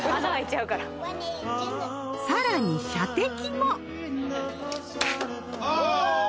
さらに射的もＯｈ！